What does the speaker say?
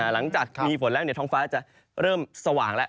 หลังจากมีฝนแล้วท้องฟ้าจะเริ่มสว่างแล้ว